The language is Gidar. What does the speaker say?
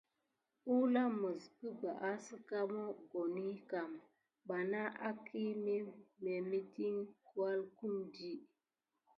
Əwla miɓebaha sika mohoni kam bana aki mimedint kualkum di.